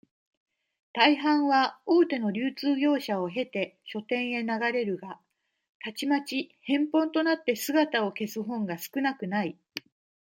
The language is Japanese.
大半は、大手の流通業者をへて、書店へ流れるが、たちまち、返本となって姿を消す本が少なくない。